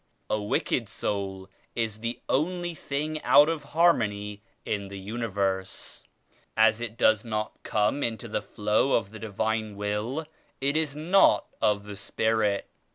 A wicked soul is the only thing out of harmony in the universe. As it does not come into the flow of the Divine Will it is not of the Spirit.